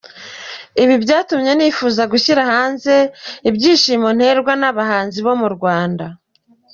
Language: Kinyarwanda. Ibi byatumye nifuza gushyira hanze ibyishimo nterwa n’abahanzi bo mu Rwanda.